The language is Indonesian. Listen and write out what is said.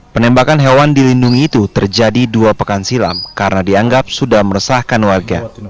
penembakan hewan dilindungi itu terjadi dua pekan silam karena dianggap sudah meresahkan warga